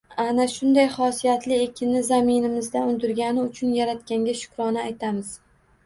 Ana shunday hosiyatli ekinni zaminimizda undirgani uchun Yaratganga shukronalar aytamiz